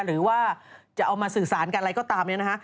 หรือว่าจะเอามาสื่อสารกันอะไรก็ตามเนี่ยนะฮะ